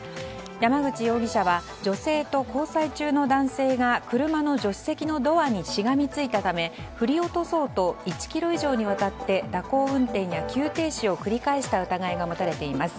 山口容疑者は女性と交際中の男性が車の助手席のドアにしがみついたため振り落とそうと１ｋｍ以上にわたって蛇行運転や急停止を繰り返した疑いが持たれています。